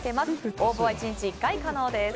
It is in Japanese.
応募は１日１回可能です。